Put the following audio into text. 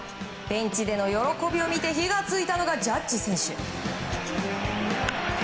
ベンチでの喜びを見て火が付いたのがジャッジ選手。